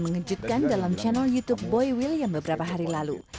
mengejutkan dalam channel youtube boy william beberapa hari lalu